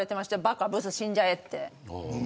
ばか、ブス、死んじゃえって。